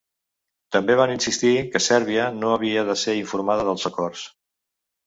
També van insistir que Sèrbia no havia de ser informada dels acords.